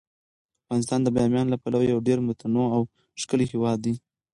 افغانستان د بامیان له پلوه یو ډیر متنوع او ښکلی هیواد دی.